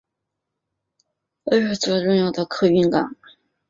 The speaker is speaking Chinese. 那不勒斯港也是一座重要的客运港。